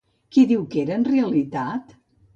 Qui diu que era en realitat?